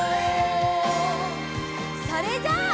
それじゃあ。